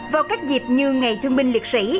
vào các dịp như ngày thương binh liệt sĩ